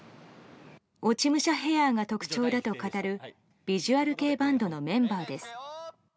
落ち武者ヘアが特徴だと語るビジュアル系バンドのメンバーです。